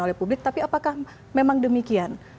oleh publik tapi apakah memang demikian